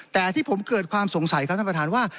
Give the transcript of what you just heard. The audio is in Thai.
แต่ที่ผมเกิดความสงสัยครับท่านประธานว่า